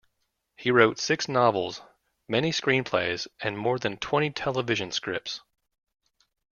He wrote six novels, many screenplays and more than twenty television scripts.